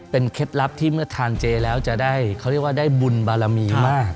เป็นเคล็ดลับที่เมื่อทานเจแล้วจะได้เขาเรียกว่าได้บุญบารมีมาก